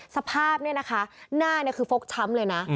สภาพเนี่ยนะคะหน้าคือฟกช้ำเลยนะ